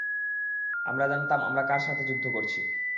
আমরা জানতাম আমরা কার সাথে যুদ্ধ করছি।